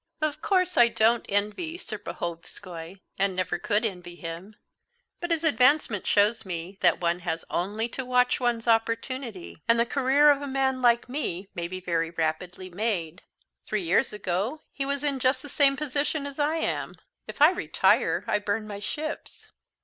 "Of course I don't envy Serpuhovskoy and never could envy him; but his advancement shows me that one has only to watch one's opportunity, and the career of a man like me may be very rapidly made. Three years ago he was in just the same position as I am. If I retire, I burn my ships.